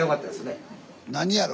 何やろ？